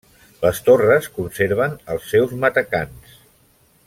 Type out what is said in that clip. Les torres conserven els seus matacans.